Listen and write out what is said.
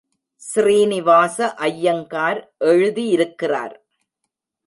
ஸ்ரீனிவாச ஐயங்கார் எழுதியிருக்கிறார்.